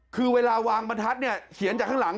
คือเวลาวางบรรทัศน์เนี่ยเขียนจากข้างหลัง